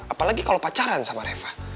apalagi kalau pacaran sama reva